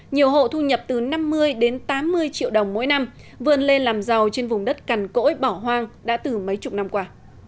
nhiều hộ thu nhập từ năm mươi đến tám mươi triệu đồng mỗi năm vươn lên làm giàu trên vùng đất cằn cỗi bỏ hoang đã từ mấy chục năm qua